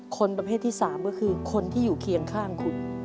คนประเภทที่๓ก็คือคนที่อยู่เคียงข้างคุณ